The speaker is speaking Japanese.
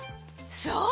そう！